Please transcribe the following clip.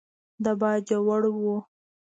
د باجوړ و.